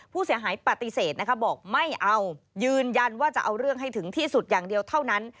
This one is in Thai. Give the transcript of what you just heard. ผู้เสียหายปฏิเสธนะคะบอกไม่เอายืนยันว่าจะเอาเรื่องให้ถึงที่สุดอย่างเดียวเท่านั้น